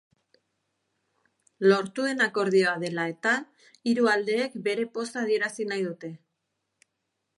Lortu den akordioa dela eta, hiru aldeek bere poza adierazi nahi dute.